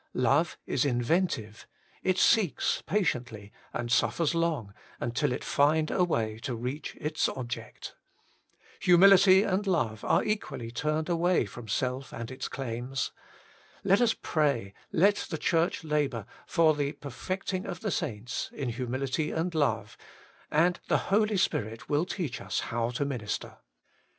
Love is inven tive ; it seeks patiently, and suffers long, until it find a way to reach its object. Hu mility and love are equally turned away from self and its claims. Let us pray, let 84 Working for God the Church labour for ' the perfecting of the saints ' in humiHty and love, and the Holy Spirit will teach us how to minister.